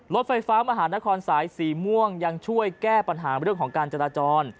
รถไฟฟ้ามหานครสายสีม่วงยังช่วยแก้ปัญหาเรื่องของการจราจร